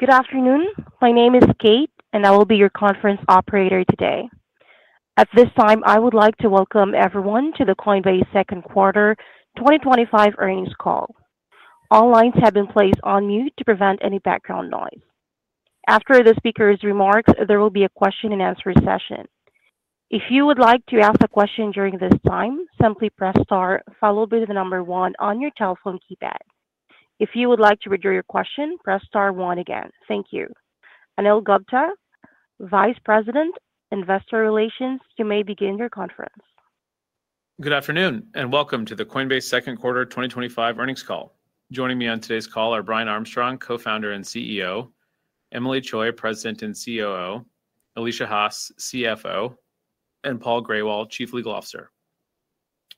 Good afternoon, my name is Kate and I will be your conference operator today. At this time I would like to welcome everyone to the Coinbase second quarter 2025 earnings call. All lines have been placed on mute to prevent any background noise. After the speakers' remarks, there will be a question and answer session. If you would like to ask a question during this time, simply press star followed by the number one on your telephone keypad. If you would like to redo your question, press star one again. Thank you. Anil Gupta, Vice President, Investor Relations. You may begin your conference. Good afternoon and welcome to the Coinbase second quarter 2025 earnings call. Joining me on today's call are Brian Armstrong, Co-Founder and CEO, Emilie Choi, President and COO, Alesia Haas, CFO, and Paul Grewal, Chief Legal Officer.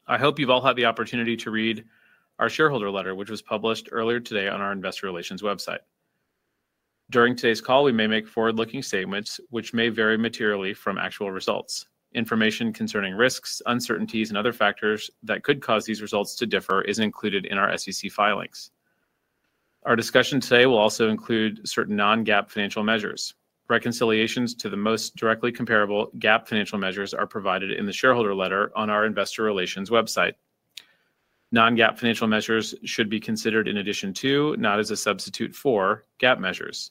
I hope you've all had the opportunity to read our shareholder letter, which was published earlier today on our investor relations website. During today's call, we may make forward-looking statements, which may vary materially from actual results. Information concerning risks, uncertainties, and other factors that could cause these results to differ is included in our SEC filings. Our discussion today will also include certain non-GAAP financial measures. Reconciliations to the most directly comparable GAAP financial measures are provided in the shareholder letter on our investor relations website. Non-GAAP financial measures should be considered in addition to, not as a substitute for, GAAP measures.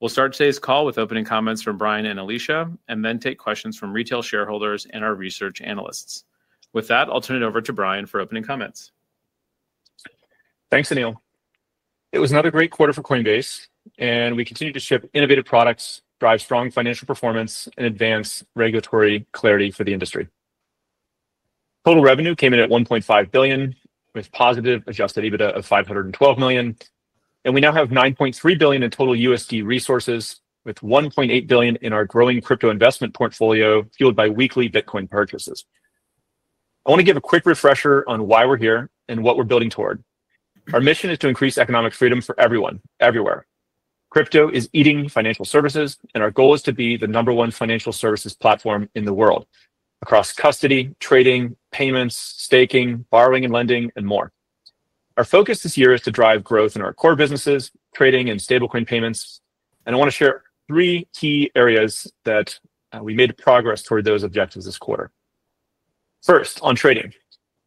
We'll start today's call with opening comments from Brian and Alesia and then take questions from retail shareholders and our research analysts. With that, I'll turn it over to. Brian, for opening comments. Thanks, Anil. It was another great quarter for Coinbase and we continue to ship innovative products, drive strong financial performance, and advance regulatory clarity for the industry. Total revenue came in at $1.5 billion with positive adjusted EBITDA of $512 million, and we now have $9.3 billion in total USD resources with $1.8 billion in our growing crypto investment portfolio fueled by weekly Bitcoin purchases. I want to give a quick refresher on why we're here and what we're building toward. Our mission is to increase economic freedom for everyone. Everywhere, crypto is eating financial services and our goal is to be the number one financial services platform in the world across custody, trading, payments, staking, borrowing and lending, and more. Our focus this year is to drive growth in our core businesses, trading and stablecoin payments. I want to share three key areas that we made progress toward those objectives this quarter. First, on trading,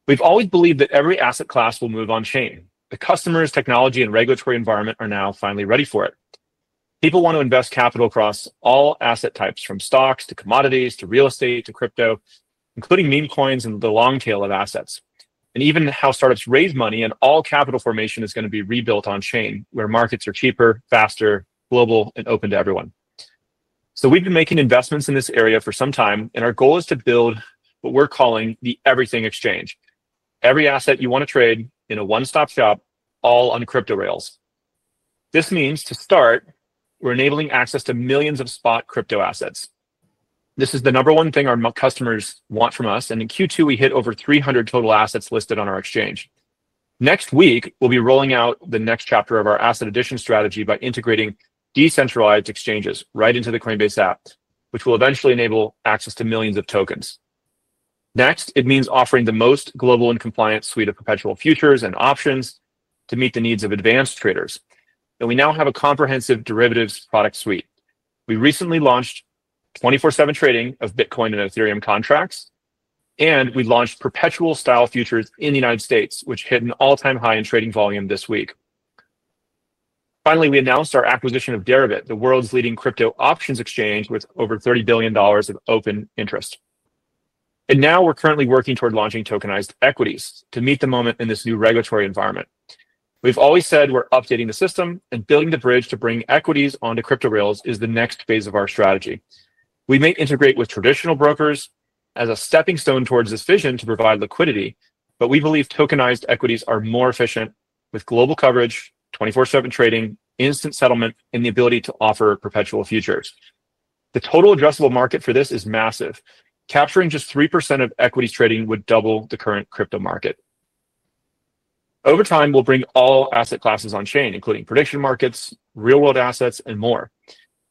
we've always believed that every asset class will move on chain. The customers, technology, and regulatory environment are now finally ready for it. Technology people want to invest capital across all asset types from stocks to commodities to real estate to crypto, including meme coins and the long tail of assets and even how startups raise money. All capital formation is going to be rebuilt on chain where markets are cheaper, faster, global, and open to everyone. We've been making investments in this area for some time and our goal is to build what we're calling the Everything Exchange. Every asset you want to trade is a one-stop shop, all on crypto rails. This means to start, we're enabling access to millions of spot crypto assets. This is the number one thing our customers want from us. In Q2, we hit over 300 total assets listed on our exchange. Next week, we'll be rolling out the next chapter of our asset addition strategy by integrating decentralized exchanges right into the Coinbase app, which will eventually enable access to millions of tokens. It also means offering the most global and compliant suite of perpetual futures and options to meet the needs of advanced traders. We now have a comprehensive derivatives product suite. We recently launched 24/7 trading of Bitcoin and Ethereum contracts, and we launched perpetual style futures in the United States, which hit an all-time high in trading volume this week. Finally, we announced our acquisition of Deribit, the world's leading crypto options exchange with over $30 billion of open interest. We are currently working toward launching tokenized equities to meet the moment in this new regulatory environment. We've always said we're updating the system and building the bridge to bring equities onto crypto. Rails is the next phase of our strategy. We may integrate with traditional brokers as a stepping stone toward this vision to provide liquidity, but we believe tokenized equities are more efficient with global coverage, 24/7 trading, instant settlement, and the ability to offer perpetual futures. The total addressable market for this is massive. Capturing just 3% of equities trading would double the current crypto market. Over time, we'll bring all asset classes on chain, including prediction markets, real world assets, and more.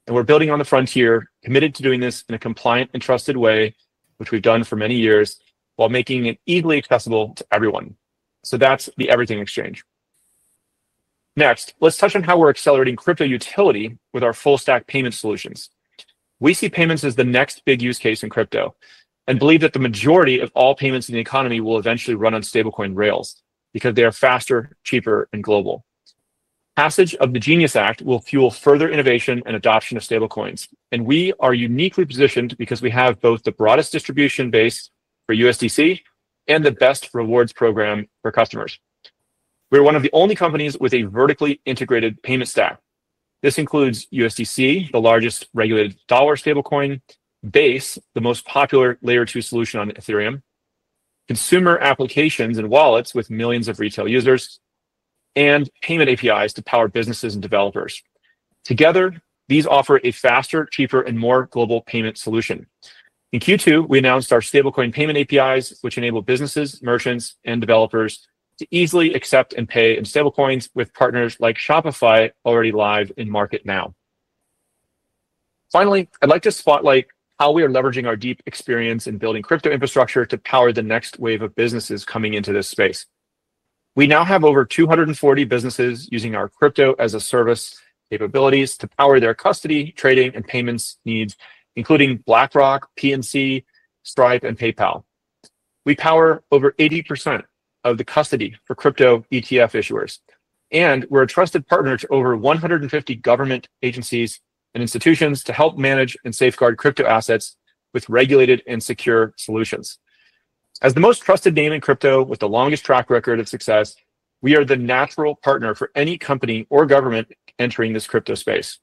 We're building on the frontier, committed to doing this in a compliant and trusted way, which we've done for many years while making it easily accessible to everyone. That's the Everything Exchange. Next, let's touch on how we're accelerating crypto utility with our full stack payment solutions. We see payments as the next big use case in crypto and believe that the majority of all payments in the economy will eventually run on stablecoin rails because they are faster, cheaper, and global. Passage of the Genius Act will fuel further innovation and adoption of stablecoins, and we are uniquely positioned because we have both the broadest distribution base for USDC and the best rewards program for customers. We're one of the only companies with a vertically integrated payment stack. This includes USDC, the largest regulated dollar stablecoin, Base, the most popular Layer 2 solution on Ethereum, consumer applications, and wallets, with millions of retail users and payment APIs to power businesses and developers. Together, these offer a faster, cheaper, and more global payment solution. In Q2, we announced our stablecoin payment APIs, which enable businesses, merchants, and developers to easily accept and pay in stablecoins, with partners like Shopify already live in market. Now, finally, I'd like to spotlight how we are leveraging our deep experience in building crypto infrastructure to power the next wave of businesses coming into this space. We now have over 240 businesses using our crypto as a service capabilities to power their custody, trading, and payments needs including BlackRock, PNC Bank, Stripe, and PayPal. We power over 80% of the custody for crypto ETF issuers, and we're a trusted partner to over 150 government agencies and institutions to help manage and safeguard crypto assets with regulated and secure solutions. As the most trusted name in crypto with the longest track record of success, we are the natural partner for any company or government entering this crypto space.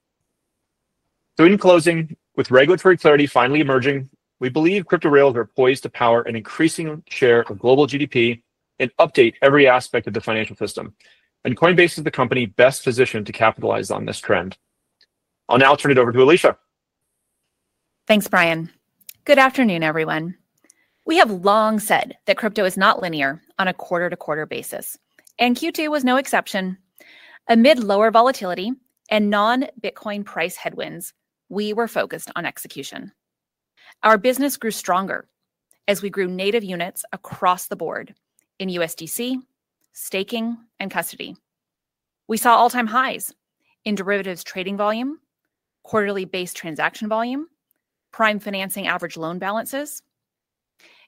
In closing, with regulatory clarity finally emerging, we believe Crypto Rails are poised to power an increasing share of global GDP and update every aspect of the financial system, and Coinbase is the company best positioned to capitalize on this trend. I'll now turn it over to Alesia. Thanks Brian. Good afternoon everyone. We have long said that crypto is not linear on a quarter to quarter basis and Q2 was no exception. Amid lower volatility and non Bitcoin price headwinds, we were focused on execution. Our business grew stronger as we grew native units across the board in USDC staking and custody. We saw all-time highs in derivatives trading volume, quarterly Base Layer 2 transaction volume, prime financing, average loan balances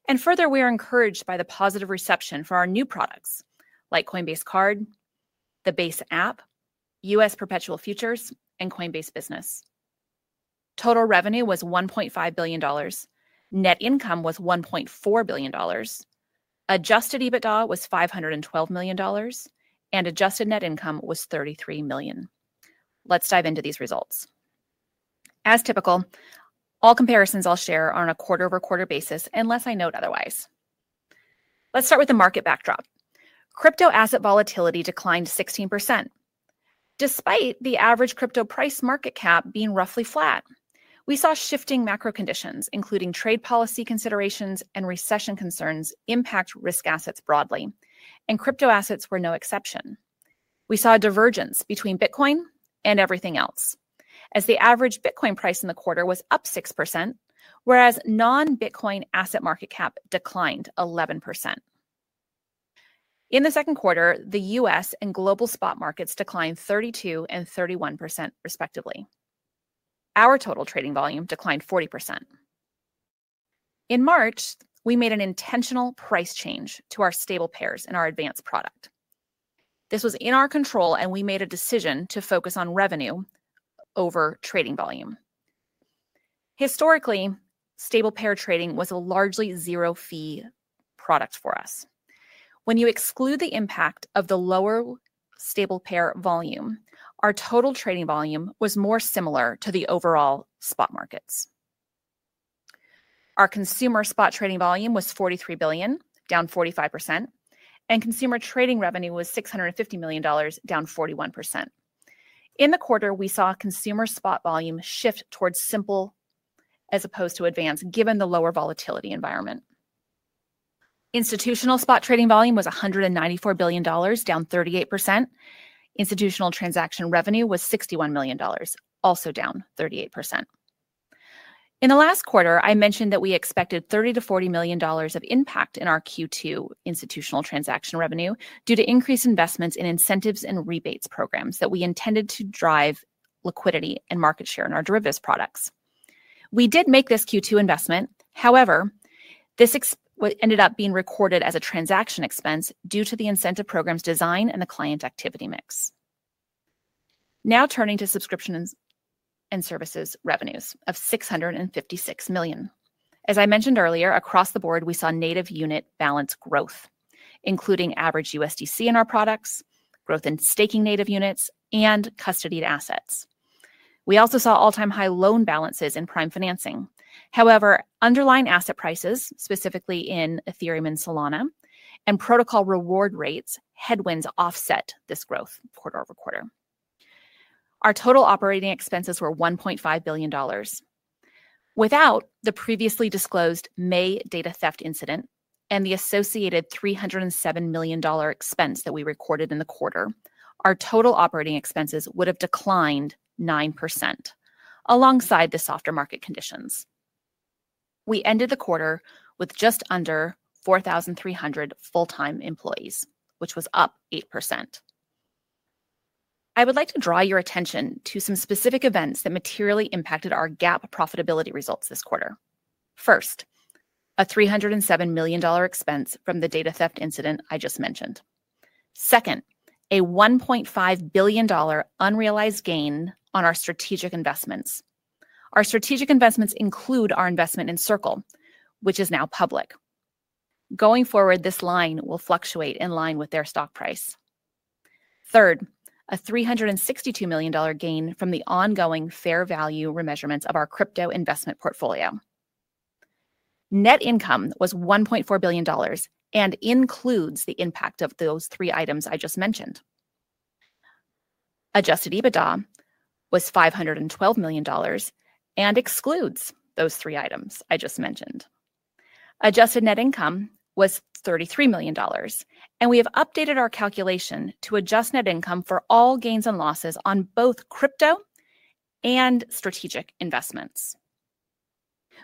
and further. We are encouraged by the positive reception for our new products like Coinbase Card, the Base Layer 2 app, U.S. perpetual futures and Coinbase Business. Total revenue was $1.5 billion, net income was $1.4 billion, adjusted EBITDA was $512 million and adjusted net income was $33 million. Let's dive into these results. As typical, all comparisons I'll share on a quarter over quarter basis unless I note otherwise. Let's start with the market backdrop. Crypto asset volatility declined 16% despite the average crypto price market cap being roughly flat. We saw shifting macro conditions including trade policy considerations and recession concerns impact risk assets broadly and crypto assets were no exception. We saw a divergence between Bitcoin and everything else as the average Bitcoin price in the quarter was up 6% whereas non Bitcoin asset market cap declined 11% in the second quarter. The U.S. and global spot markets declined 32% and 31% respectively. Our total trading volume declined 40%. In March we made an intentional price change to our stable pairs in our advanced product. This was in our control and we made a decision to focus on revenue over trading volume. Historically, stable pair trading was a largely zero fee product for us. When you exclude the impact of the lower stable pair volume, our total trading volume was more similar to the overall spot markets. Our consumer spot trading volume was $43 billion, down 45% and consumer trading revenue was $650 million, down 41% in the quarter. We saw consumer spot volume shift towards simple as opposed to advanced given the lower volatility environment. Institutional spot trading volume was $194 billion, down 38%. Institutional transaction revenue was $61 million, also down 38% in the last quarter. I mentioned that we expected $30 to $40 million of impact in our Q2 institutional transaction revenue due to increased investments in incentives and rebates programs that we intended to drive liquidity and market share in our derivatives products. We did make this Q2 investment, however, this ended up being recorded as a transaction expense due to the incentive program's design and the client activity mix. Now turning to subscription and services revenues of $656 million. As I mentioned earlier, across the board we saw native unit balance growth including average USDC in our products, growth in staking native units, and custody assets. We also saw all-time high loan balances in prime financing. However, underlying asset prices, specifically in Ethereum and Solana, and protocol reward rates headwinds offset this growth quarter over quarter. Our total operating expenses were $1.5 billion. Without the previously disclosed May data theft incident and the associated $307 million expense that we recorded in the quarter, our total operating expenses would have declined 9% alongside the softer market conditions. We ended the quarter with just under 4,300 full-time employees, which was up 8%. I would like to draw your attention to some specific events that materially impacted our GAAP profitability results this quarter. First, a $307 million expense from the data theft incident I just mentioned. Second, a $1.5 billion unrealized gain on our strategic investments. Our strategic investments include our investment in Circle Internet Financial, which is now public. Going forward, this line will fluctuate in line with their stock price. Third, a $362 million gain from the ongoing fair value remeasurements of our crypto investment portfolio. Net income was $1.4 billion and includes the impact of those three items I just mentioned. Adjusted EBITDA was $512 million and excludes those three items I just mentioned. Adjusted net income was $33 million and we have updated our calculation to adjust net income for all gains and losses on both crypto and strategic investments.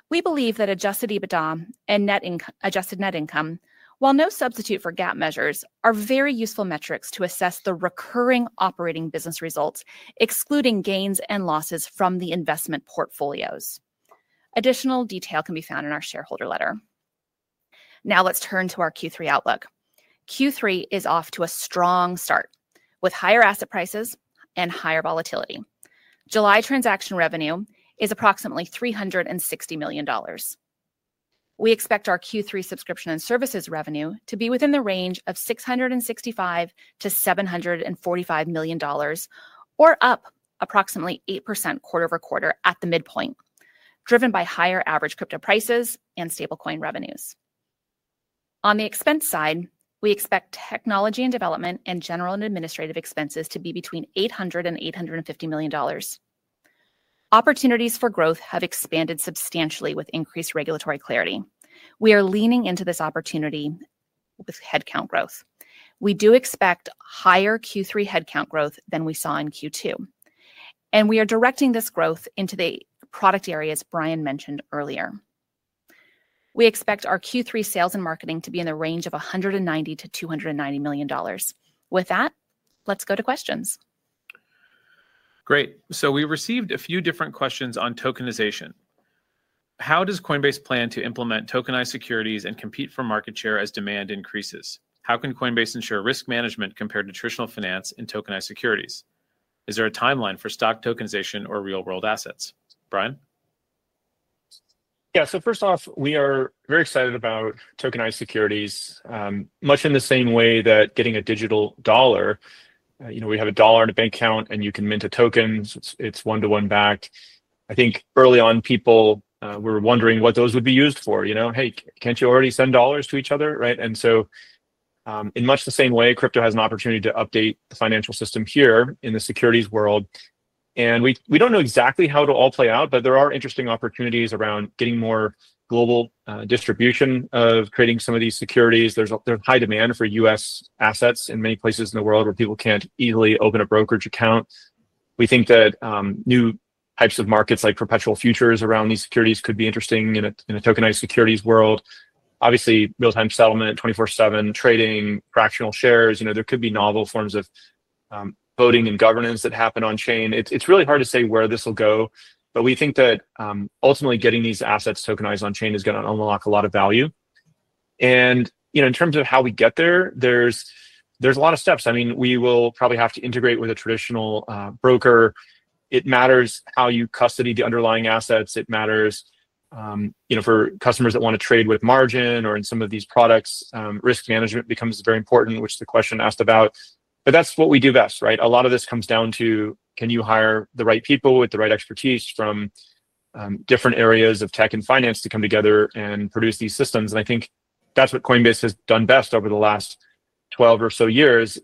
We believe that adjusted EBITDA and adjusted net income, while no substitute for GAAP measures, are very useful metrics to assess the recurring operating business results excluding gains and losses from the investment portfolios. Additional detail can be found in our shareholder letter. Now let's turn to our Q3 outlook. Q3 is off to a strong start with higher asset prices and higher volatility. July transaction revenue is approximately $360 million. We expect our Q3 subscription and services revenue to be within the range of $665 to $745 million, or up approximately 8% quarter-over-quarter at the midpoint, driven by higher average crypto prices and stablecoin revenues. On the expense side, we expect technology and development and general and administrative expenses to be between $800 million and $850 million. Opportunities for growth have expanded substantially with increased regulatory clarity. We are leaning into this opportunity with headcount growth. We do expect higher Q3 headcount growth than we saw in Q2, and we are directing this growth into the product areas Brian mentioned earlier. We expect our Q3 sales and marketing to be in the range of $190 million to $290 million. With that, let's go to questions. Great. We received a few different questions on tokenization. How does Coinbase plan to implement tokenized securities and compete for market share as demand increases? How can Coinbase ensure risk management compared to traditional finance and tokenized securities? Is there a timeline for stock tokenization or real world assets? Yeah, so first off, we are very excited about tokenized securities much in the same way that getting a digital dollar. You know, we have a dollar in a bank account and you can mint a token. It's one-to-one backed. I think early on people were wondering what those would be used for, you know, hey, can't you already send dollars to each other, right? In much the same way, crypto has an opportunity to update the financial system here in the securities world. We don't know exactly how it'll all play out, but there are interesting opportunities around getting more global distribution of creating some of these securities. There's high demand for U.S. assets in many places in the world where people can't easily open a brokerage account. We think that new types of markets like perpetual futures around these securities could be interesting in a tokenized securities world. Obviously, real-time settlement, 24/7 trading, fractional shares, there could be novel forms of voting and governance that happen on chain. It's really hard to say where this will go, but we think that ultimately getting these assets tokenized on chain is going to unlock a lot of value. In terms of how we get there, there's a lot of steps. We will probably have to integrate with a traditional broker. It matters how you custody the underlying assets. It matters for customers that want to trade with margin or in some of these products, risk management becomes very important, which the question asked about. That's what we do best, right? A lot of this comes down to can you hire the right people with the right expertise from different areas of tech and finance to come together and produce these systems. I think that's what Coinbase has done best over the last 12 or so years.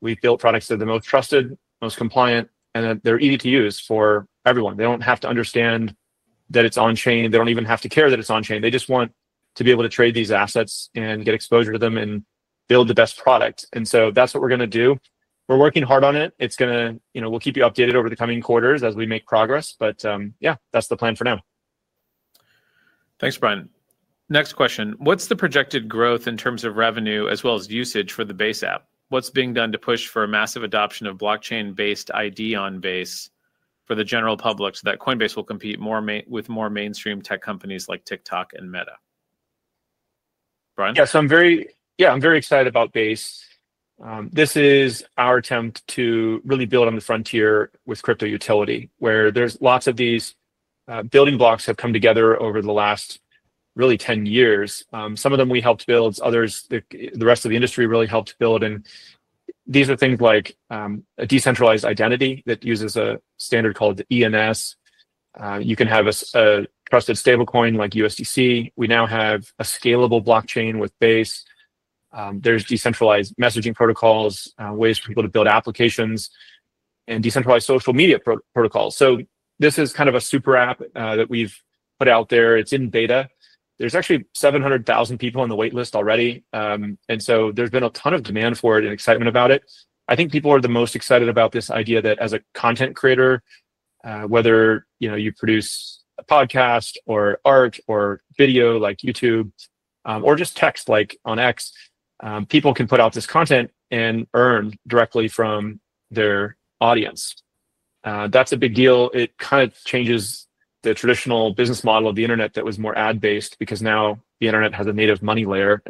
We built products that are the most trusted, most compliant, and they're easy to use for everyone. They don't have to understand that it's on chain. They don't even have to care that it's on chain. They just want to be able to trade these assets and get exposure to them and build the best product. That's what we're going to do. We're working hard on it. We'll keep you updated over the coming quarters as we make progress. That's the plan for now. Thanks, Brian. Next question, what's the projected growth in terms of revenue as well as usage for the Base app? What's being done to push for a massive adoption of blockchain-based ID on Base for the general public so that Coinbase will compete more with more mainstream tech companies like TikTok and Meta? Brian? Yeah, I'm very excited about Base. This is our attempt to really build on the frontier with crypto utility where lots of these building blocks have come together over the last really 10 years. Some of them we helped build, others the rest of the industry really helped build. These are things like a decentralized identity that uses a standard called ENS. You can have a trusted stablecoin like USDC. We now have a scalable blockchain with Base. There are decentralized messaging protocols, ways for people to build applications, and decentralized social media protocols. This is kind of a super app that we've put out there. It's in beta. There are actually 700,000 people on the waitlist already. There has been a ton of demand for it and excitement about it. I think people are the most excited about this idea that as a content creator, whether you produce a podcast or art or video like YouTube or just text like on X, people can put out this content and earn directly from their audience. That's a big deal. It kind of changes the traditional business model of the Internet that was more ad based because now the Internet has a native money layer.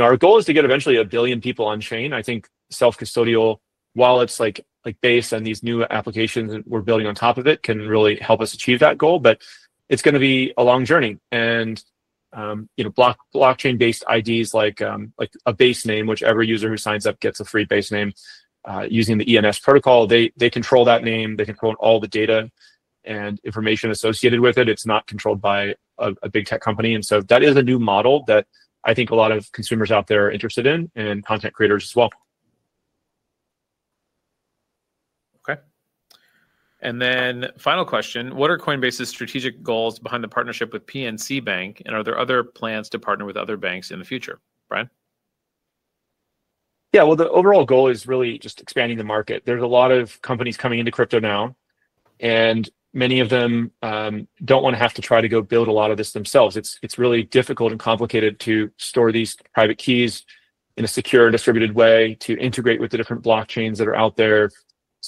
Our goal is to get eventually a billion people on chain. I think self-custodial wallets, based on these new applications we're building on top of it, can really help us achieve that goal. It's going to be a long journey. Blockchain-based IDs like a Base name, which every user who signs up gets a free Base name using the ENS protocol, allow them to control that name and all the data and information associated with it. It's not controlled by a big tech company. That is a new model that I think a lot of consumers out there are interested in, and content creators as well. Okay, and then final question. What are Coinbase's strategic goals behind the partnership with PNC Bank, and are there other plans to partner with other banks in the future? Brian? Yeah, the overall goal is really just expanding the market. There's a lot of companies coming into crypto now and many of them don't want to have to try to go build a lot of this themselves. It's really difficult and complicated to store these hard private keys in a secure, distributed way to integrate with the different blockchains that are out there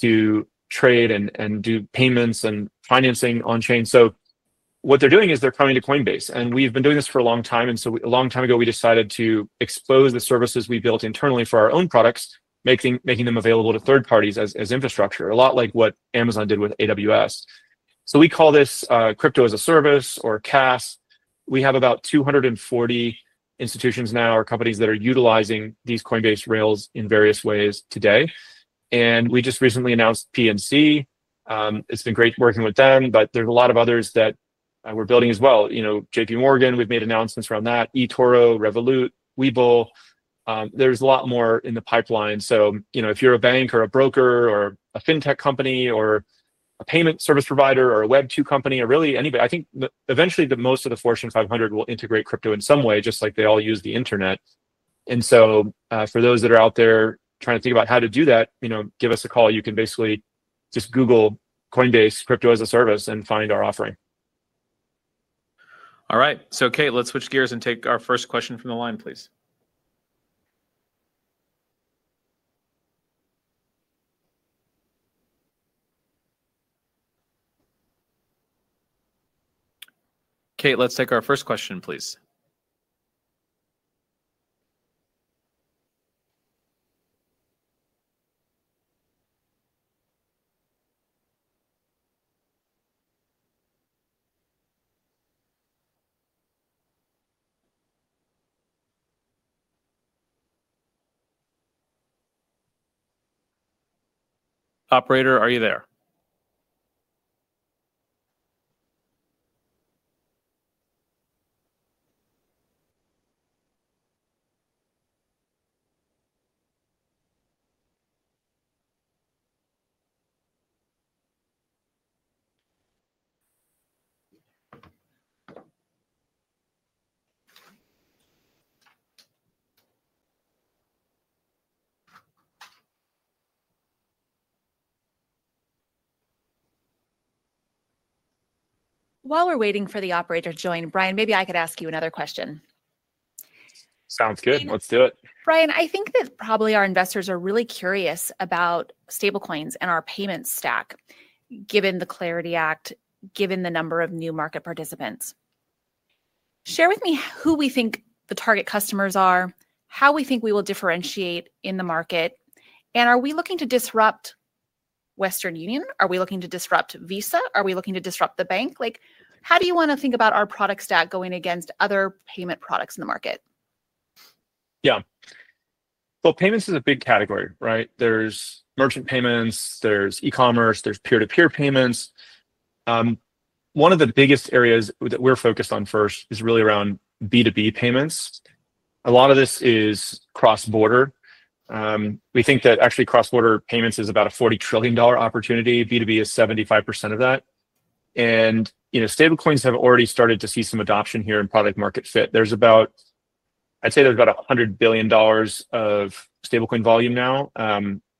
to trade and do payments and financing on chain. What they're doing is they're coming to Coinbase and we've been doing this for a long time. A long time ago we decided to expose the services we built internally for our own products, making them available to third parties as infrastructure, a lot like what Amazon did with AWS. We call this crypto as a service or CaaS. We have about 240 institutions now or companies that are utilizing these Coinbase Rails in various ways today. We just recently announced PNC. It's been great working with them, but there's a lot of others that we're building as well. You know, JPMorgan, we've made announcements around that. eToro, Revolut, Webull, there's a lot more in the pipeline. If you're a bank or a broker or a fintech company or a payment service provider or a Web2 company or really anybody, I think eventually most of the Fortune 500 will integrate crypto in some way just like they all use the Internet. For those that are out there trying to think about how to do that, you know, give us a call. You can basically just Google Coinbase crypto as a service and find our offering. All right, Kate, let's switch gears and take our first question from the line, please. Kate, let's take our first question, please. Operator, are you there? While we're waiting for the operator to join, Brian, maybe I could ask you another question. Sounds good. Let's do it. Brian, I think that probably our investors are really curious about stablecoins and our payments stack. Given the Clarity Act, given the number of new market participants, share with me who we think the target customers are, how we think we will differentiate in the market. Are we looking to disrupt Western Union? Are we looking to disrupt Visa? Are we looking to disrupt the bank? How do you want to think about our product stack going against other payment products in the market? Yeah, payments is a big category, right? There's merchant payments, there's e-commerce, there's peer-to-peer payments. One of the biggest areas that we're focused on first is really around B2B payments. A lot of this is cross-border. We think that actually cross-border payments is about a $40 trillion opportunity. B2B is 75% of that, and stablecoins have already started to see some adoption here in product-market fit. There's about, I'd say, there's about $100 billion of stablecoin volume now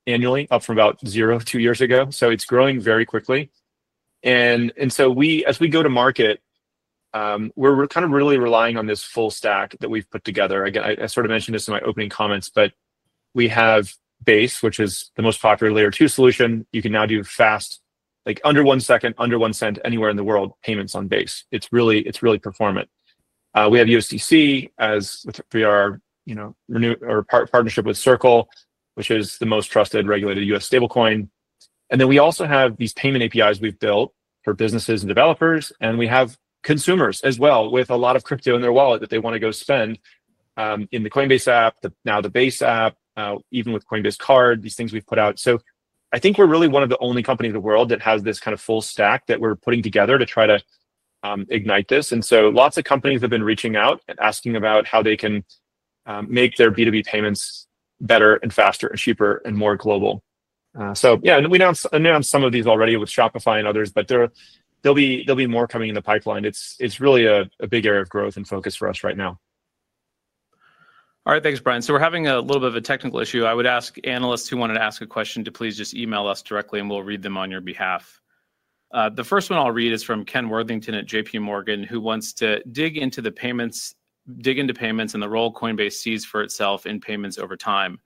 annually, up from about zero two years ago. It's growing very quickly. As we go to market, we're kind of really relying on this full stack that we've put together. I sort of mentioned this in my opening comments, but we have Base, which is the most popular Layer 2 solution. You can now do fast, like under 1 second, under $0.01, anywhere in the world. Payments on Base, it's really performant. We have USDC as we are partnership with Circle, which is the most trusted, regulated U.S. stablecoin. We also have these payment APIs we've built for businesses and developers. We have consumers as well with a lot of crypto in their wallet that they want to go spend in the Coinbase app now, the Base app, even with Coinbase Card, these things we've put out. I think we're really one of the only companies in the world that has this kind of full stack that we're putting together to try to ignite this. Lots of companies have been reaching out and asking about how they can make their B2B payments better and faster and cheaper and more global. We announced some of these already with Shopify and others, but there'll be more coming in the pipeline. It's really a big area of growth and focus for us right now. All right, thanks, Brian. We're having a little bit of a technical issue. I would ask analysts who wanted to ask a question to please just email us directly and we'll read them on your behalf. The first one I'll read is from Ken Worthington at JPMorgan Chase, who wants to dig into payments and the role Coinbase sees for itself in payments over time.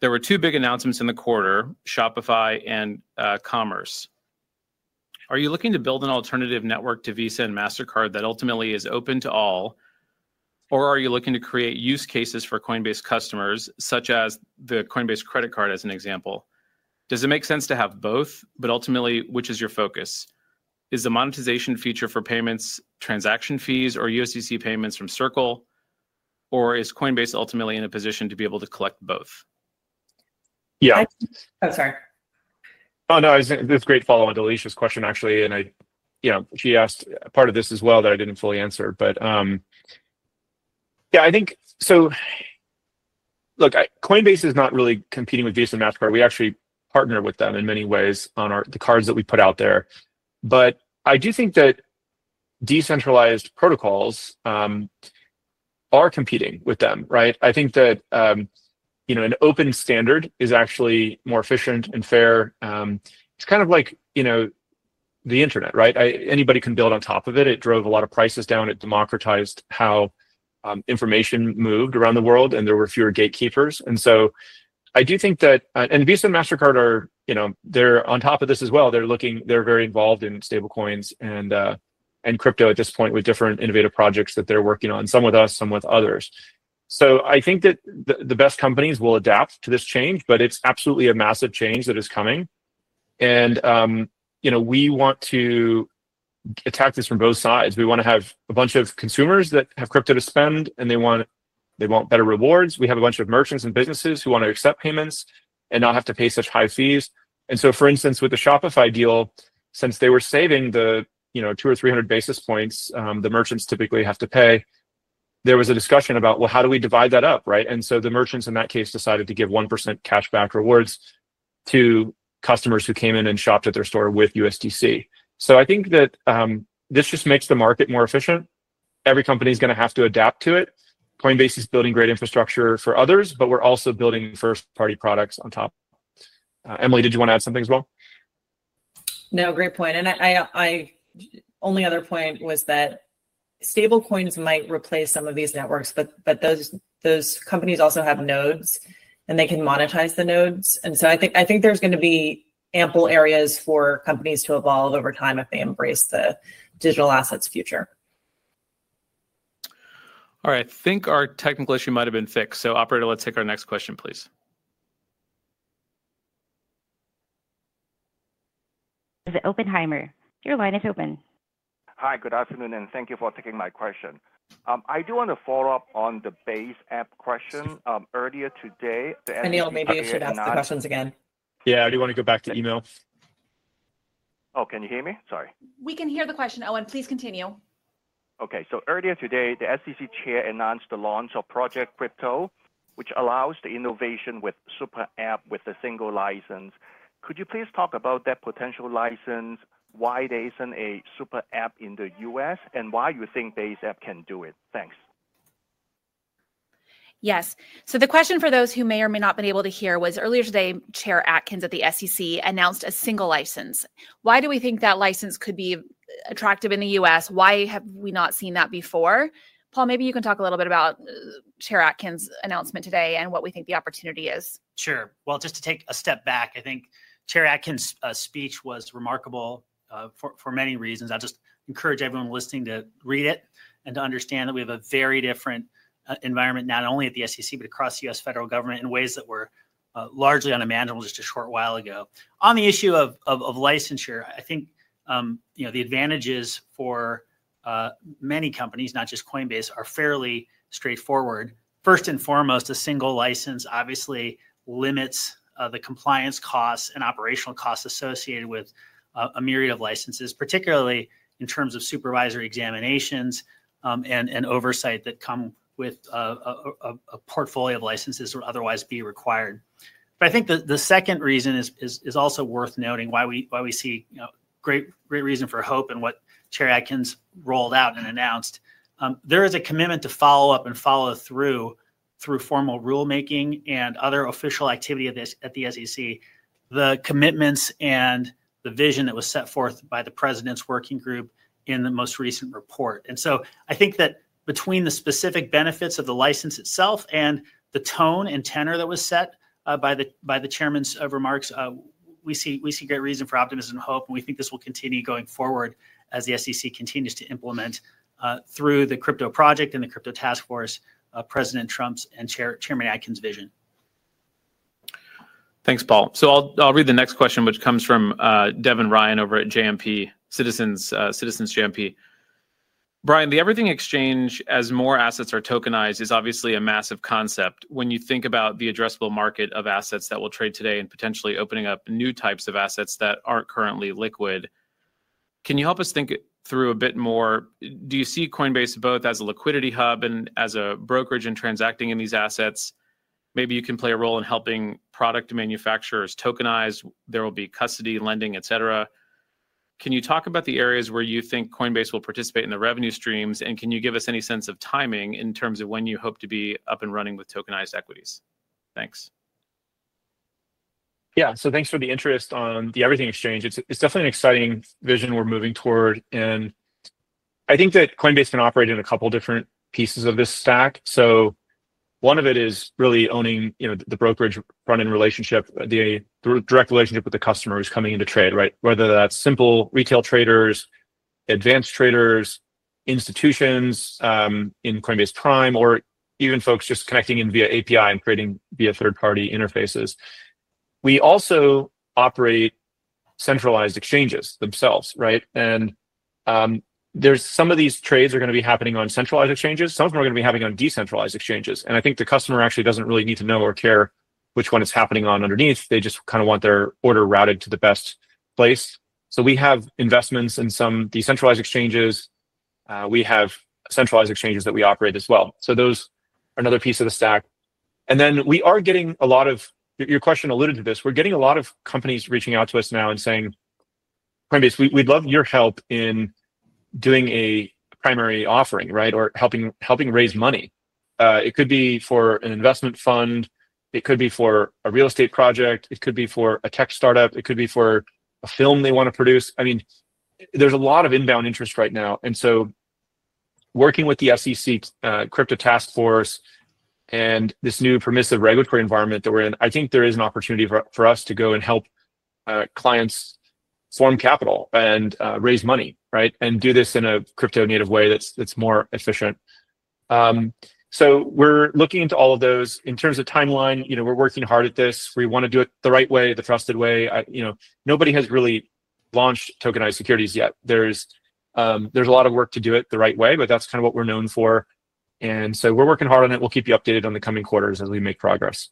There were two big announcements in the quarter, Shopify and Coinbase Commerce. Are you looking to build an alternative network to Visa and MasterCard that ultimately is open to all, or are you looking to create use cases for Coinbase customers, such as the Coinbase Card as an example? Does it make sense to have both? Ultimately, which is your focus? Is the monetization feature for payments transaction fees or USDC payments from Circle, or is Coinbase ultimately in a position to be able to collect both? Yeah. Oh, sorry. Oh, no, this is great. Follow on to Alesia Haas's question, actually, and I, you know, she asked part of this as well that I didn't fully answer. Yeah, I think so. Look, Coinbase is not really competing with Visa or Mastercard. We actually partner with them in many ways on our cards that we put out there. I do think that decentralized protocols are competing with them. I think that, you know, an open standard is actually more efficient and fair. It's kind of like, you know, the Internet, right? Anybody can build on top of it. It drove a lot of prices down. It democratized how information moved around the world and there were fewer gatekeepers. I do think that Visa and Mastercard are, you know, they're on top of this as well. They're looking, they're very involved in stablecoins and crypto at this point with different innovative projects that they're working on, some with us, some with others. I think that the best companies will adapt to this change, but it's absolutely a massive change that is coming. You know, we want to attack this from both sides. We want to have a bunch of consumers that have crypto to spend and they want better rewards. We have a bunch of merchants and businesses who want to accept payments and not have to pay such high fees. For instance, with the Shopify deal, since they were saving the 200 or 300 basis points the merchants typically have to pay, there was a discussion about how do we divide that up, right? The merchants in that case decided to give 1% cash back rewards to customers who came in and shopped at their store with USDC. I think that this just makes the market more efficient. Every company is going to have to adapt to it. Coinbase is building great infrastructure for others, but we're also building first party products on top. Emilie, did you want to add something as well? No. Great point. The only other point was that stablecoins might replace some of these networks, but those companies also have nodes and they can monetize the nodes. I think there's going to be ample areas for companies to evolve over time if they embrace the digital assets future. All right. I think our technical issue might have been fixed. Operator, let's take our next question, please. Oppenheimer, your line is open. Hi, good afternoon, and thank you for taking my question. I do want to follow up on the Base app question earlier today. Anil, maybe you should ask the questions again. Yeah, I do want to go back to Emilie. Can you hear me? Sorry. We can hear the question. Owen, please continue. Okay, so earlier today, the SEC Chair announced the launch of Project Crypto, which allows the innovation with super app with a single license. Could you please talk about that potential license, why there isn't a super app in the U.S. and why you think Base app can do it? Thanks. Yes. The question for those who may or may not have been able to hear was, earlier today, Chair Atkins at the SEC announced a single license. Why do we think that license could be attractive in the U.S.? Why have we not seen that before? Paul, maybe you can talk a little bit about Chair Atkins' announcement today and what we think the opportunity is. Sure. Just to take a step back, I think Chair Atkins' speech was remarkable for many reasons. I encourage everyone listening to read it and to understand that we have a very different environment, not only at the SEC, but across the U.S. Federal government in ways that were largely unimaginable just a short while ago. On the issue of licensure, I think the advantages for many companies, not just Coinbase, are fairly straightforward. First and foremost, a single license obviously limits the compliance costs and operational costs associated with a myriad of licenses, particularly in terms of supervisory examinations and oversight that come with a portfolio of licenses that would otherwise be required. The second reason is also worth noting, which is why we see great reason for hope in what Chair Atkins rolled out and announced. There is a commitment to follow up and follow through through formal rulemaking and other official activity at the SEC. The commitments and the vision that were set forth by the President's Working Group in the most recent report. I think that between the specific benefits of the license itself and the tone and tenor that were set by the Chairman's remarks, we see great reason for optimism and hope. We think this will continue going forward as the SEC continues to implement through the Crypto project and the Crypto Task Force, President Trump's and Chairman Atkins' vision. Thanks, Paul. I'll read the next question, which comes from Devin Ryan over at JMP Citizens. Brian, the Everything Exchange as more assets are tokenized is obviously a massive concept when you think about the addressable market of assets that will trade today and potentially opening up new types of assets that aren't currently liquid. Can you help us think through a bit more? Do you see Coinbase both as a liquidity hub and as a brokerage and transacting in these assets? Maybe you can play a role in helping product manufacturers tokenize, there will be custody, lending, etc. Can you talk about the areas where you think Coinbase will participate in the revenue streams, and can you give us any sense of timing in terms of when you hope to be up and running with tokenized equities? Thanks. ]Yeah, thanks for the interest on the Everything Exchange. It's definitely an exciting vision we're moving toward, and I think that Coinbase can operate in a couple different pieces of this stack. One of it is really owning the brokerage run in relationship, the direct relationship with the customer who's coming in to trade, right? Whether that's simple retail traders, advanced traders, institutions in Coinbase Prime, or even folks just connecting in via API and creating via third party interfaces, we also operate centralized exchanges themselves, right? Some of these trades are going to be happening on centralized exchanges, some of them are going to be happening on decentralized exchanges. I think the customer actually doesn't really need to know or care which one is happening underneath. They just kind of want their order routed to the best place. We have investments in some decentralized exchanges. We have centralized exchanges that we operate as well. Those are another piece of the stack. We're getting a lot of companies reaching out to us now and saying, Coinbase, we'd love your help in doing a primary offering, right, or helping raise money. It could be for an investment fund, it could be for a real estate project, it could be for a tech startup, it could be for a film they want to produce. There's a lot of inbound interest right now. Working with the SEC crypto task force and this new permissive regulatory environment that we're in, I think there is an opportunity for us to go and help clients form capital and raise money, right, and do this in a crypto native way that's more efficient. We're looking into all of those in terms of timeline. We're working hard at this. We want to do it the right way, the trusted way. Nobody has really launched tokenized securities yet. There's a lot of work to do it the right way, but that's kind of what we're known for. We're working hard on it. We'll keep you updated on the coming quarters as we make progress.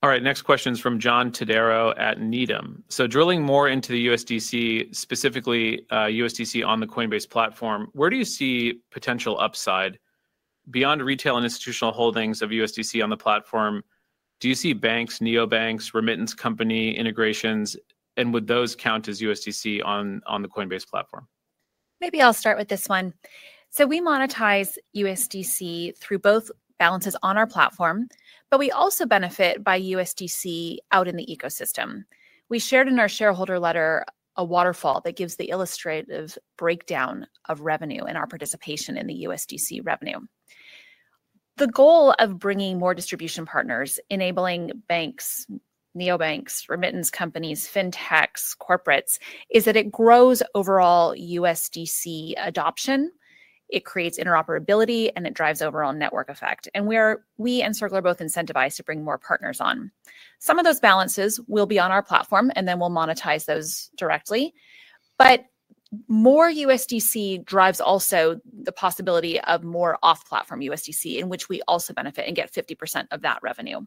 All right, next question is from John Tadero at Needham. Drilling more into the USDC, specifically USDC on the Coinbase platform, where do you see potential upside beyond retail and institutional holdings of USDC on the platform? Do you see banks, neobanks, remittance company integrations, and would those count as USDC on the Coinbase platform? Maybe I'll start with this one. We monetize USDC through both balances on our platform, but we also benefit by USDC out in the ecosystem. We shared in our shareholder letter a waterfall that gives the illustrative breakdown of revenue and our participation in the USDC revenue. The goal of bringing more distribution partners, enabling banks, neobanks, remittance companies, fintechs, corporates, is that it grows overall USDC adoption. It creates interoperability and it drives overall network effect. We and Circle are both incentivized to bring more partners on. Some of those balances will be on our platform and then we'll monetize those directly. More USDC drives also the possibility of more off-platform USDC in which we also benefit and get 50% of that revenue.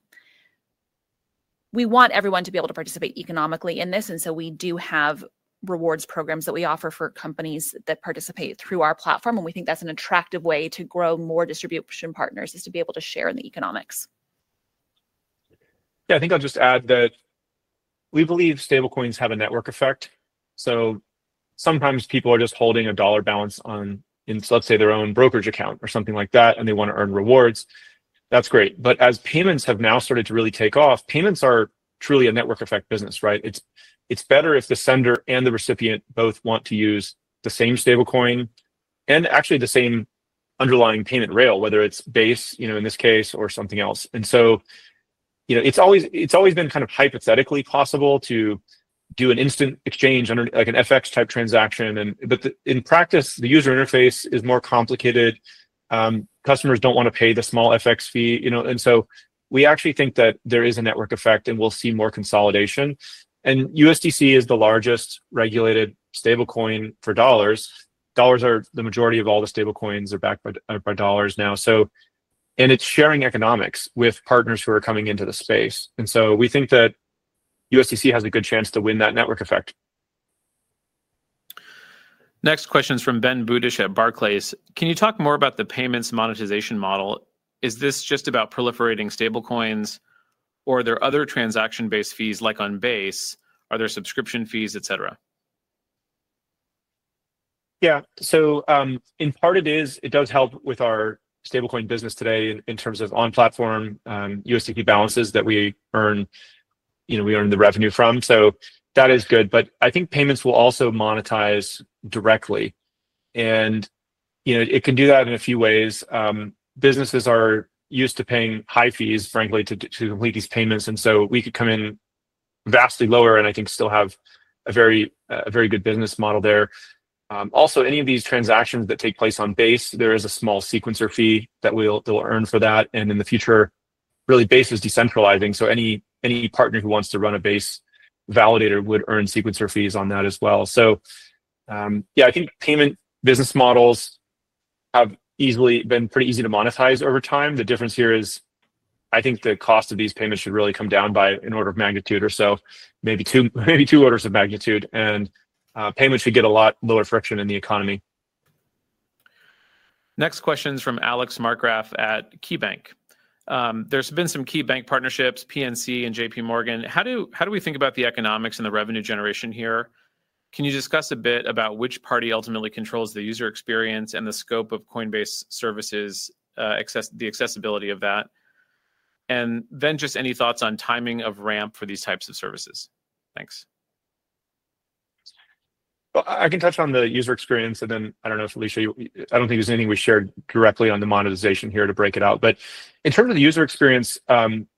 We want everyone to be able to participate economically in this. We do have rewards programs that we offer for companies that participate through our platform. We think that's an attractive way to grow more distribution partners, to be able to share in the economics. Yeah, I think I'll just add that we believe stablecoins have a network effect. Sometimes people are just holding a dollar balance in, let's say, their own brokerage account or something like that and they want to earn rewards. That's great. As payments have now started to really take off, payments are truly a network effect business. It's better if the sender and the recipient both want to use the same stablecoin and actually the same underlying payment rail, whether it's Base in this case or something else. It's always been kind of hypothetically possible to do an instant exchange, an FX type transaction. In practice, the user interface is more complicated. Customers don't want to pay the small FX fee. We actually think that there is a network effect and we'll see more consolidation. USDC is the largest regulated stablecoin for dollars. Dollars are the majority of all the stablecoins that are backed by dollars now. It's sharing economics with partners who are coming into the space. We think that USDC has a good chance to win that network effect. Next question is from Ben Butish at Barclays. Can you talk more about the payments monetization model? Is this just about proliferating stablecoins or are there other transaction-based fees like on Base, are there subscription fees, etc. Yeah, in part it does help with our stablecoin business today in terms of on-platform USDC balances that we earn, you know, we earned the revenue from. That is good. I think payments will also monetize directly and it can do that in a few ways. Businesses are used to paying high fees, frankly, to complete these payments, and we could come in vastly lower. I think still have a very, a very good business model there. Also, any of these transactions that take place on Base, there is a small sequencer fee that we'll earn for that. In the future, really, Base is decentralizing. Any partner who wants to run a Base validator would earn sequencer fees on that as well. I think payment business models have easily been pretty easy to monetize over time. The difference here is I think the cost of these payments should really come down by an order of magnitude or so, maybe two, maybe two orders of magnitude. Payments should get a lot lower friction in the economy. Next question is from Alex Marcgraf at KeyBank. There's been some KeyBank partnerships, PNC Bank and JPMorgan Chase. How do we think about the economics and the revenue generation here? Can you discuss a bit about which party ultimately controls the user experience and the scope of Coinbase services, the accessibility of that and then just any thoughts on timing of ramp for these types of services? Thanks. I can touch on the user experience, and then I don't know if Alesia, I don't think there's anything we shared directly on the monetization here to break it out, but in terms of the user experience,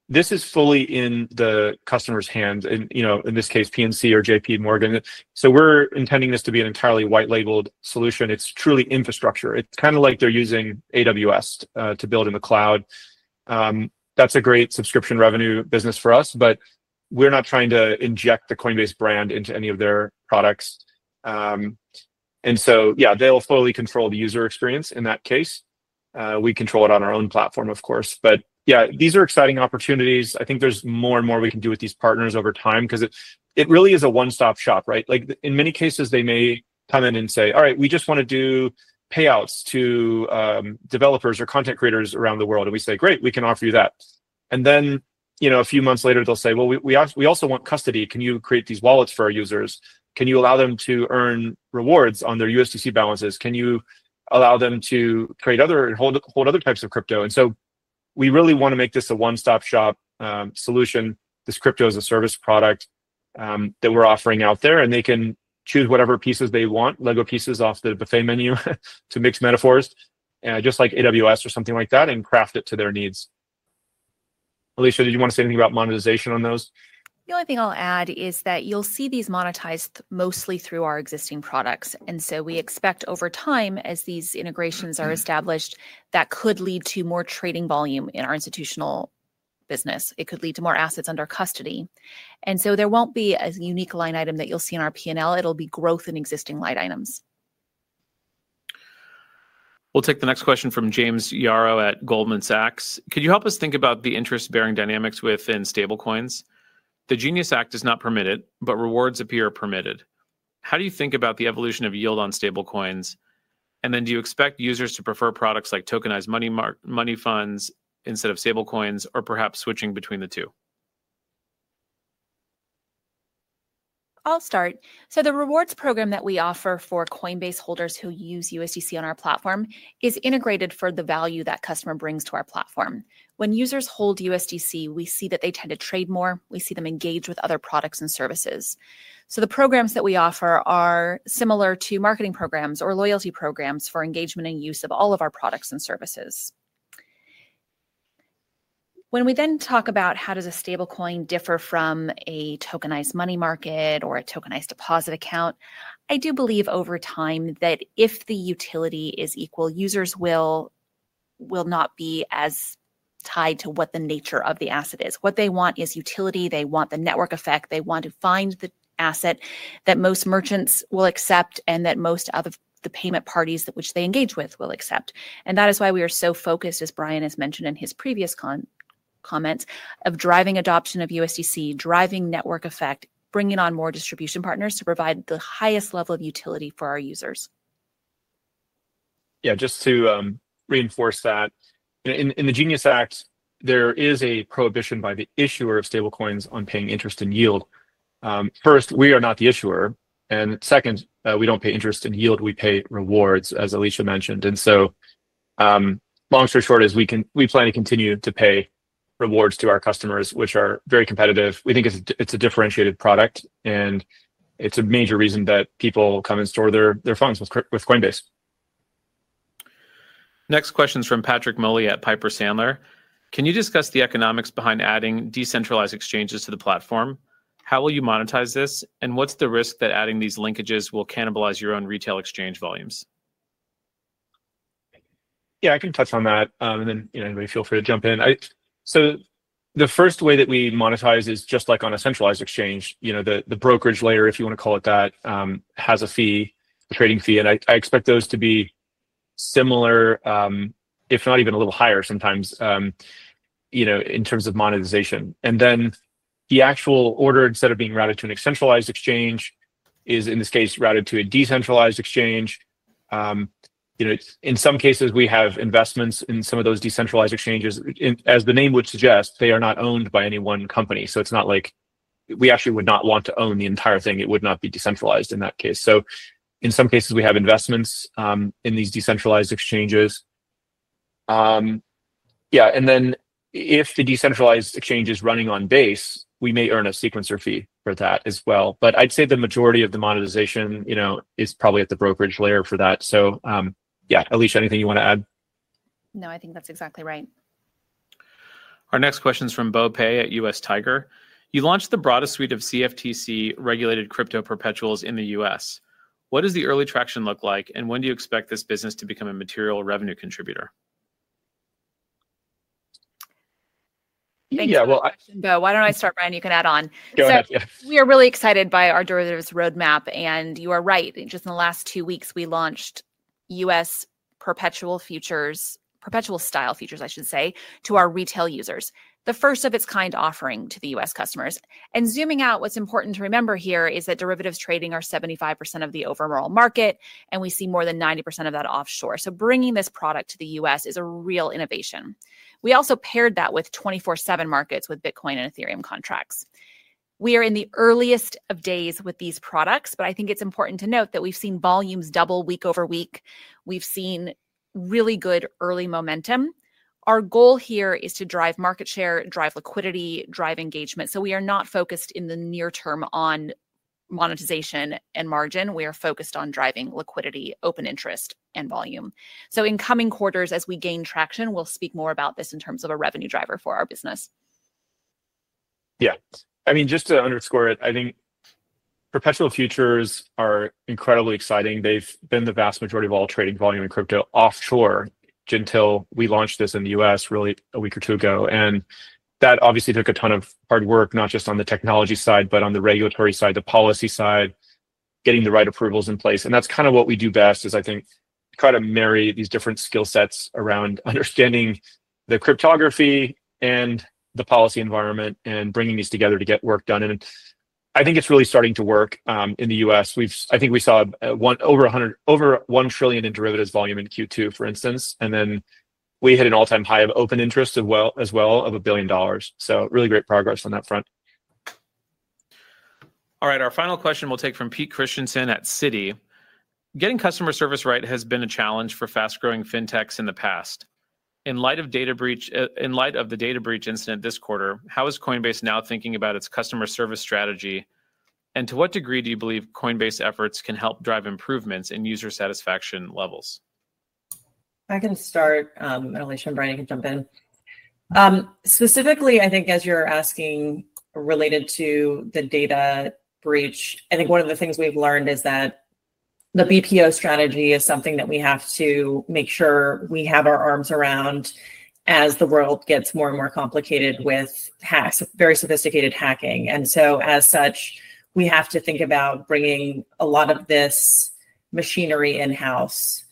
this is fully in the customer's hands, and in this case PNC Bank or JPMorgan Chase. We're intending this to be an entirely white labeled solution. It's truly infrastructure. It's kind of like they're using AWS to build in the cloud. That's a great subscription revenue business for us. We're not trying to inject the Coinbase brand into any of their products. They will fully control the user experience in that case. We control it on our own platform, of course. These are exciting opportunities. I think there's more and more we can do with these partners over time because it really is a one stop shop. In many cases, they may come in and say, all right, we just want to do payouts to developers or content creators around the world, and we say, great, we can offer you that. A few months later, they'll say, we also want custody. Can you create these wallets for our users? Can you allow them to earn rewards on their USDC in balances? Can you allow them to create and hold other types of crypto? We really want to make this a one stop shop solution, this crypto as a service product that we're offering out there, and they can choose whatever pieces they want, Lego pieces off the buffet menu, to mix metaphors, just like AWS or something like that, and craft it to their needs. Alesia, did you want to say anything about monetization on those? The only thing I'll add is that you'll see these monetized mostly through our existing products. We expect over time, as these integrations are established, that could lead to more trading volume in our institutional business. It could lead to more assets under custody. There won't be a unique line item that you'll see in our P&L. It'll be growth in existing line items. We'll take the next question from James Yarrow at Goldman Sachs. Could you help us think about the interest-bearing dynamics within stablecoins? The Genius Act is not permitted, but rewards appear permitted. How do you think about the evolution of yield on stablecoins? Do you expect users to prefer products like tokenized money funds instead of stablecoins or perhaps switching between the two? I'll start. The rewards program that we offer for Coinbase holders who use USDC on our platform is integrated for the value that customer brings to our platform. When users hold USDC, we see that they tend to trade more. We see them engage with other products and services. The programs that we offer are similar to marketing programs or loyalty programs for engagement and use of all of our products and services. When we talk about how a stablecoin differs from a tokenized money market or a tokenized deposit account, I do believe over time that if the utility is equal, users will not be as tied to what the nature of the asset is. What they want is utility. They want the network effect. They want to find the asset that most merchants will accept and that most of the payment parties with which they engage will accept. That is why we are so focused, as Brian has mentioned in his previous comments, on driving adoption of USDC, driving network effect, bringing on more distribution partners to provide the highest level of utility for our users. Yeah, just to reinforce that in the Genius Act there is a prohibition by the issuer of stablecoins on paying interest and yield. First, we are not the issuer. Second, we don't pay interest in yield. We pay rewards, as Alesia Haas mentioned. Long story short is we plan to continue to pay rewards to our customers, which are very competitive. We think it's a differentiated product and it's a major reason that people come and store their funds with Coinbase. Next question is from Patrick Moly at Piper Sandler. Can you discuss the economics behind adding decentralized exchanges to the platform? How will you monetize this? What's the risk that adding these linkages will cannibalize your own retail exchange volumes? Yeah, I can touch on that. Anybody feel free to jump in. The first way that we monetize is just like on a centralized exchange. The brokerage layer, if you want to call it that, has a fee, a trading fee. I expect those to be similar, if not even a little higher sometimes, in terms of monetization. The actual order, instead of being routed to an extension exchange, is in this case routed to a decentralized exchange. In some cases, we have investments in some of those decentralized exchanges. As the name would suggest, they are not owned by any one company. It's not like we actually would want to own the entire thing. It would not be decentralized in that case. In some cases, we have investments in these decentralized exchanges. If the decentralized exchange is running on Base Layer 2, we may earn a sequencer fee for that as well. I'd say the majority of the monetization is probably at the brokerage layer for that. Alicia, anything you want to add? No, I think that's exactly right. Our next question is from Bo Pei at U.S. Tiger. You launched the broadest suite of CFTC-regulated crypto perpetuals in the U.S. What does the early traction look like? When do you expect this business to become a material revenue contributor? Thank you. Why don't I start? Brian, you can add on. We are really excited by our derivatives roadmap. You are right. Just in the last two weeks we launched U.S. perpetual futures, perpetual style futures, I should say, to our retail users. The first of its kind offering to the U.S. customers and zooming out, what's important to remember here is that derivatives trading are 75% of the overall market and we see more than 90% of that offshore. Bringing this product to the U.S. is a real innovation. We also paired that with 24/7 markets with Bitcoin and Ethereum contracts. We are in the earliest of days with these products, but I think it's important to note that we've seen volumes double week over week. We've seen really good early momentum. Our goal here is to drive market share, drive liquidity, drive engagement. We are not focused in the near term on monetization and margin. We are focused on driving liquidity, open interest, and volume. In coming quarters, as we gain traction, we'll speak more about this in terms of a revenue driver for our business. Yeah, I mean, just to underscore it, I think perpetual futures are incredibly exciting. They've been the vast majority of all trading volume in crypto offshore until we launched this in the U.S. really a week or two ago. That obviously took a ton of hard work, not just on the technology side, but on the regulatory side, the policy side, getting the right approvals in place. That's kind of what we do best, is I think, try to marry these different skill sets around understanding the cryptography and the policy environment and bringing these together to get work done. I think it's really starting to work in the U.S. I think we saw over $1 trillion in derivatives volume in Q2, for instance, and then we hit an all-time high of open interest as well, of $1 billion. Really great progress on that front. All right, our final question we'll take from Peter Christiansen at Citi. Getting customer service right has been a challenge for fast growing fintechs in the past. In light of the data breach incident this quarter, how is Coinbase now thinking about its customer service strategy? To what degree do you believe Coinbase efforts can help drive improvements in user satisfaction levels? I can start. Alesia and Brian can jump in. Specifically, I think, as you're asking, related to the data breach. I think one of the things we've learned is that the BPO strategy is something that we have to make sure we have our arms around as the world gets more and more complicated with hacks, very sophisticated hacking. As such, we have to think about bringing a lot of this machinery in house.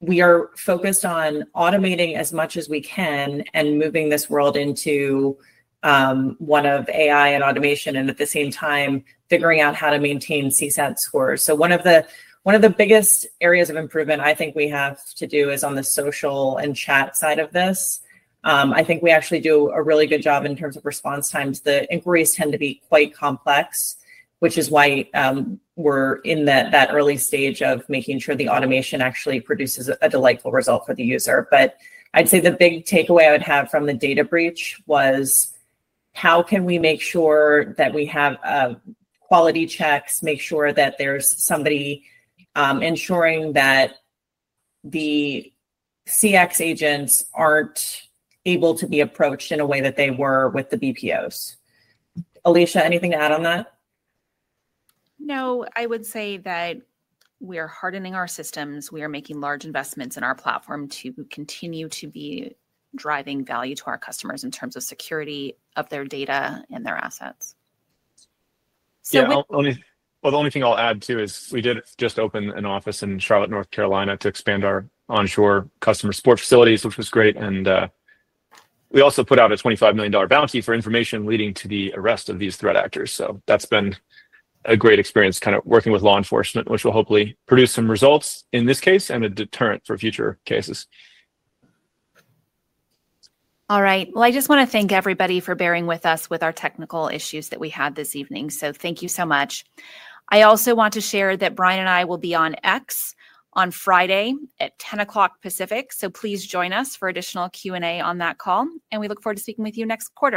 We are focused on automating as much as we can and moving this world into one of AI and automation, and at the same time figuring out how to maintain CSAT scores. One of the biggest areas of improvement I think we have to do is on the social and chat side of this. I think we actually do a really good job in terms of response times. The inquiries tend to be quite complex, which is why we're in that early stage of making sure the automation actually produces a delightful result for the user. I'd say the big takeaway I would have from the data breach was how can we make sure that we have quality checks, make sure that there's somebody ensuring that the CX agents aren't able to be approached in a way that they were with the BPOs. Alesia, anything to add on that? No, I would say that we are hardening our systems. We are making large investments in our platform to continue to be driving value to our customers in terms of security of their data and their assets. The only thing I'll add too is we did just open an office in Charlotte, North Carolina, to expand our onshore customer support facilities, which was great. We also put out a $25 million bounty for information leading to the arrest of these threat actors. That's been a great experience, kind of working with law enforcement, which will hopefully produce some results in this case and a deterrent for future cases. All right. I just want to thank everybody for bearing with us with our technical issues that we had this evening. Thank you so much. I also want to share that Brian and I will be on X on Friday at 10:00 A.M. Pacific. Please join us for additional Q and A on that call. We look forward to speaking with you next quarter.